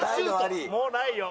もうないよ。